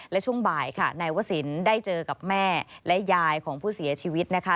และช่วงบ่ายค่ะนายวศิลป์ได้เจอกับแม่และยายของผู้เสียชีวิตนะคะ